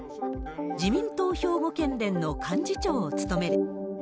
自民党兵庫県連の幹事長を務める。